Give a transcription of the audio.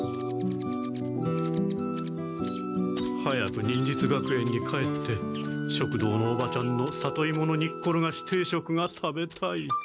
早く忍術学園に帰って食堂のおばちゃんの里いもの煮っころがし定食が食べたい。